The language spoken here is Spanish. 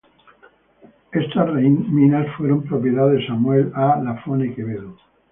Estas minas fueron propiedad de Samuel A. Lafone Quevedo.